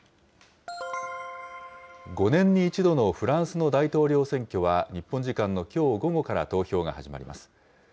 ５年に１度のフランスの大統領選挙は、日本時間のきょう午後から投票が始まります。